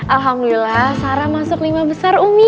alhamdulillah sarah masuk lima besar umi